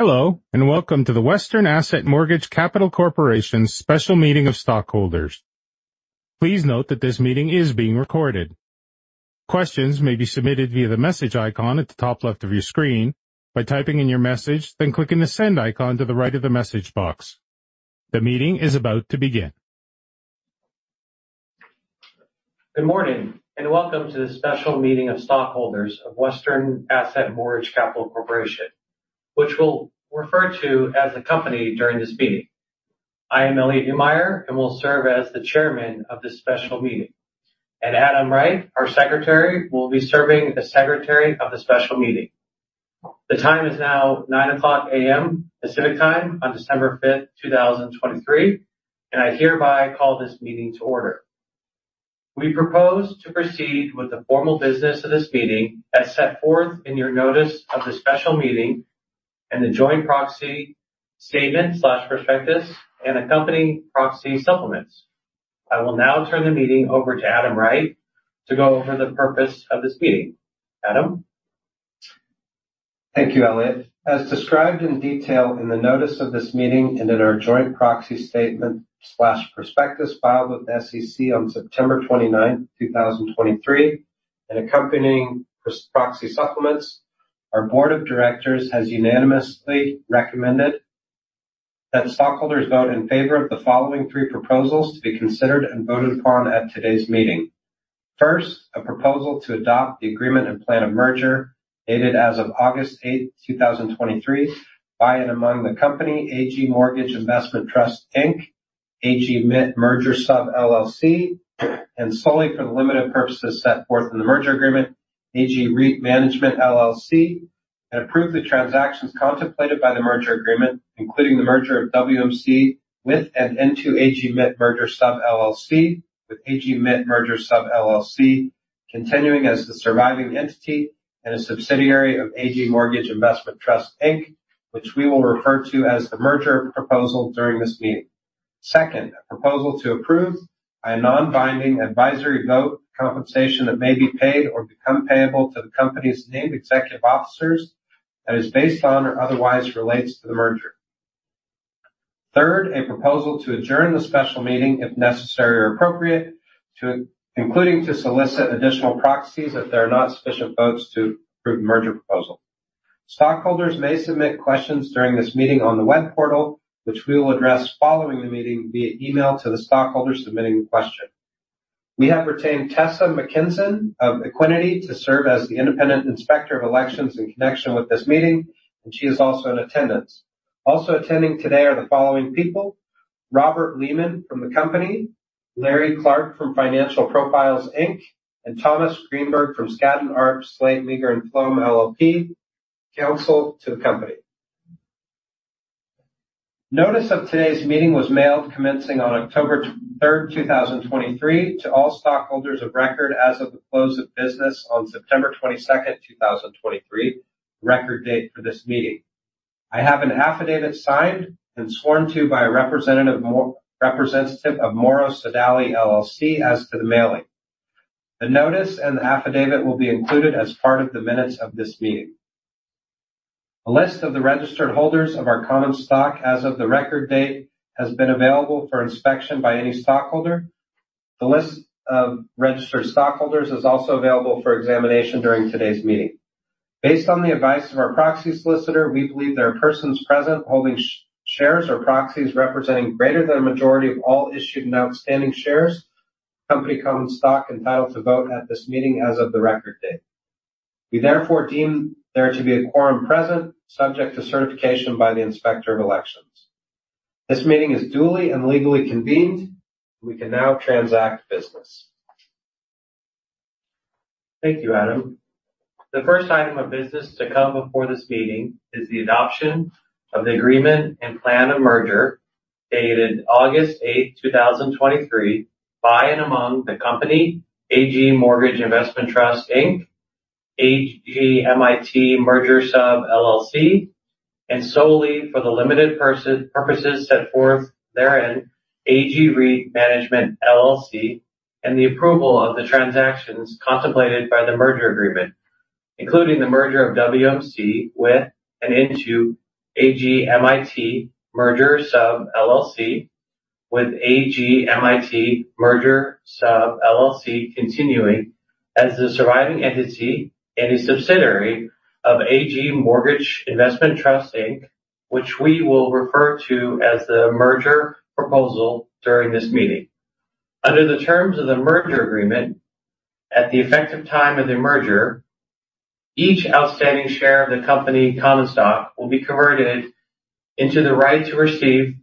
Hello, and welcome to the Western Asset Mortgage Capital Corporation's special meeting of stockholders. Please note that this meeting is being recorded. Questions may be submitted via the message icon at the top left of your screen by typing in your message, then clicking the send icon to the right of the message box. The meeting is about to begin. Good morning, and welcome to the special meeting of stockholders of Western Asset Mortgage Capital Corporation, which we'll refer to as the company during this meeting. I am Elliott Neumayer and will serve as the chairman of this special meeting. Adam Wright, our Secretary, will be serving as secretary of the special meeting. The time is now 9:00 A.M. Pacific Time on December 5th, 2023, and I hereby call this meeting to order. We propose to proceed with the formal business of this meeting as set forth in your notice of the special meeting and the joint proxy statement/prospectus and accompanying proxy supplements. I will now turn the meeting over to Adam Wright to go over the purpose of this meeting. Adam? Thank you, Elliott. As described in detail in the notice of this meeting and in our joint proxy statement/prospectus filed with the SEC on September 29th, 2023, and accompanying proxy supplements. Our board of directors has unanimously recommended that the stockholders vote in favor of the following three proposals to be considered and voted upon at today's meeting. First, a proposal to adopt the agreement and plan of merger, dated as of August 8th, 2023, by and among the company, AG Mortgage Investment Trust, Inc., AG MIT Merger Sub LLC, and solely for the limited purposes set forth in the merger agreement, AG REIT Management LLC, and approve the transactions contemplated by the merger agreement, including the merger of WMC with and into AG MIT Merger Sub LLC, with AG MIT Merger Sub LLC continuing as the surviving entity and a subsidiary of AG Mortgage Investment Trust, Inc., which we will refer to as the merger proposal during this meeting. Second, a proposal to approve by a non-binding advisory vote compensation that may be paid or become payable to the company's named executive officers that is based on or otherwise relates to the merger. Third, a proposal to adjourn the special meeting, if necessary or appropriate, to including to solicit additional proxies if there are not sufficient votes to approve the merger proposal. Stockholders may submit questions during this meeting on the web portal, which we will address following the meeting via email to the stockholder submitting the question. We have retained Tessa McKinson of Equiniti to serve as the independent inspector of elections in connection with this meeting, and she is also in attendance. Also attending today are the following people: Robert Lehman from the company, Larry Clark from Financial Profiles, Inc., and Thomas Greenberg from Skadden, Arps, Slate, Meagher & Flom LLP, counsel to the company. Notice of today's meeting was mailed commencing on October 3rd, 2023, to all stockholders of record as of the close of business on September 22nd, 2023, record date for this meeting. I have an affidavit signed and sworn to by a representative of Morrow Sodali, LLC, as to the mailing. The notice and the affidavit will be included as part of the minutes of this meeting. A list of the registered holders of our common stock as of the record date has been available for inspection by any stockholder. The list of registered stockholders is also available for examination during today's meeting. Based on the advice of our proxy solicitor, we believe there are persons present holding shares or proxies representing greater than a majority of all issued and outstanding shares, company common stock, entitled to vote at this meeting as of the record date. We therefore deem there to be a quorum present, subject to certification by the Inspector of Elections. This meeting is duly and legally convened. We can now transact business. Thank you, Adam. The first item of business to come before this meeting is the adoption of the agreement and plan of merger, dated August 8th, 2023, by and among the company, AG Mortgage Investment Trust, Inc., AG MIT Merger Sub LLC, and solely for the limited purposes set forth therein, AG REIT Management LLC, and the approval of the transactions contemplated by the merger agreement, including the merger of WMC with and into AG MIT Merger Sub LLC, with AG MIT Merger Sub LLC continuing as the surviving entity and a subsidiary of AG Mortgage Investment Trust, Inc., which we will refer to as the merger proposal during this meeting. Under the terms of the merger agreement, at the effective time of the merger, each outstanding share of the company common stock will be converted into the right to receive,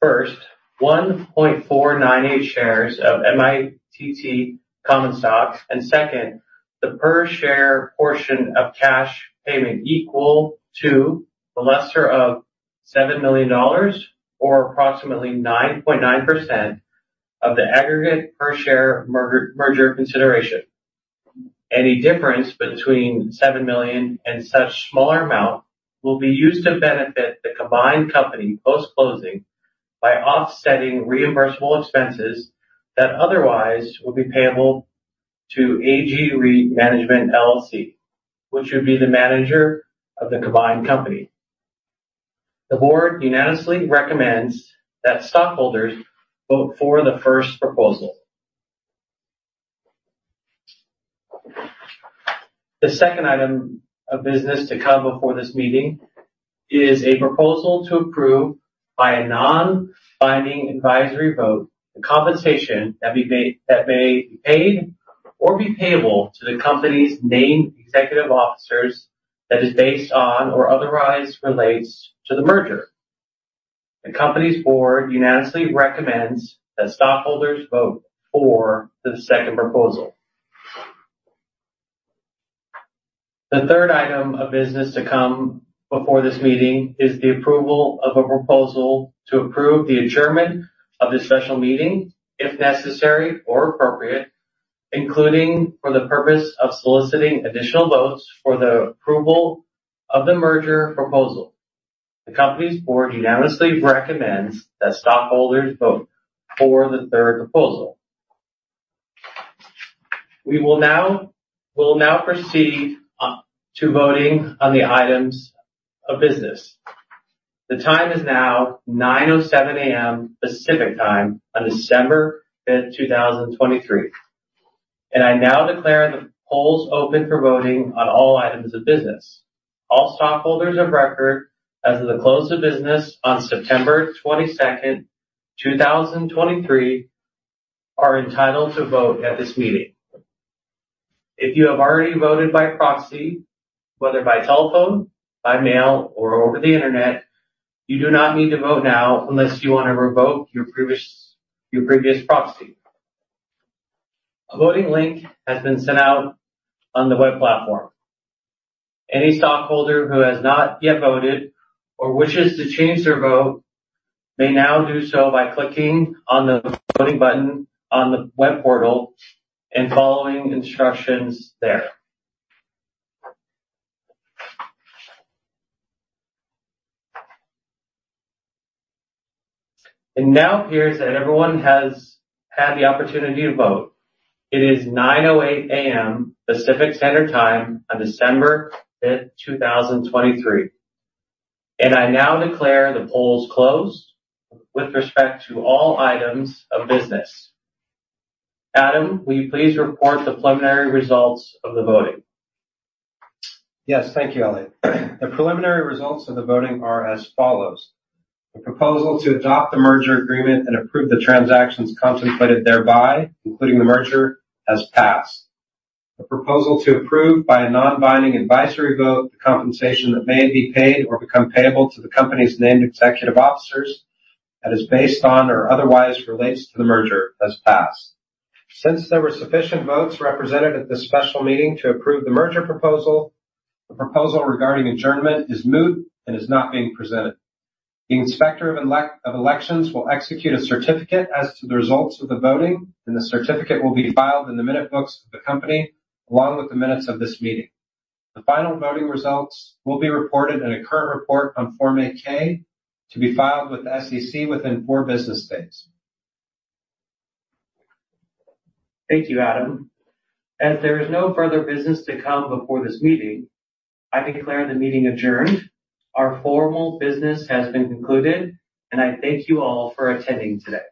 first, 1.498 shares of MITT common stock, and second, the per share portion of cash payment equal to the lesser of $7 million or approximately 9.9% of the aggregate per share merger, merger consideration. Any difference between $7 million and such smaller amount will be used to benefit the combined company post-closing by offsetting reimbursable expenses that otherwise would be payable to AG REIT Management LLC, which would be the manager of the combined company. The Board unanimously recommends that stockholders vote for the first proposal. The second item of business to come before this meeting is a proposal to approve by a non-binding advisory vote, the compensation that be made, that may be paid or be payable to the company's named executive officers that is based on or otherwise relates to the merger. The company's board unanimously recommends that stockholders vote for the second proposal. The third item of business to come before this meeting is the approval of a proposal to approve the adjournment of this special meeting, if necessary or appropriate, including for the purpose of soliciting additional votes for the approval of the merger proposal. The company's board unanimously recommends that stockholders vote for the third proposal. We will now, we'll now proceed to voting on the items of business. The time is now 9:07 A.M. Pacific Time on December 5th, 2023, and I now declare the polls open for voting on all items of business. All stockholders of record as of the close of business on September 22nd, 2023, are entitled to vote at this meeting. If you have already voted by proxy, whether by telephone, by mail, or over the internet, you do not need to vote now unless you want to revoke your previous proxy. A voting link has been sent out on the web platform. Any stockholder who has not yet voted or wishes to change their vote may now do so by clicking on the voting button on the web portal and following instructions there. It now appears that everyone has had the opportunity to vote. It is 9:08 A.M. Pacific Standard Time on December 5th, 2023, and I now declare the polls closed with respect to all items of business. Adam, will you please report the preliminary results of the voting? Yes, thank you, Elliott. The preliminary results of the voting are as follows: The proposal to adopt the merger agreement and approve the transactions contemplated thereby, including the merger, has passed. The proposal to approve by a non-binding advisory vote, the compensation that may be paid or become payable to the company's named executive officers, that is based on or otherwise relates to the merger, has passed. Since there were sufficient votes represented at this special meeting to approve the merger proposal, the proposal regarding adjournment is moot and is not being presented. The Inspector of Elections will execute a certificate as to the results of the voting, and the certificate will be filed in the minute books of the company, along with the minutes of this meeting. The final voting results will be reported in a current report on Form 8-K, to be filed with the SEC within four business days. Thank you, Adam. As there is no further business to come before this meeting, I declare the meeting adjourned. Our formal business has been concluded, and I thank you all for attending today.